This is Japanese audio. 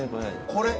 これ？